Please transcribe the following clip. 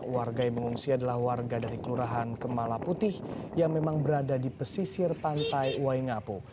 warga yang mengungsi adalah warga dari kelurahan kemala putih yang memang berada di pesisir pantai waingapu